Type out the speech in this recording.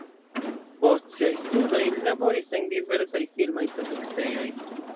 Post siaj studoj li laboris en diversaj filmaj produktejoj.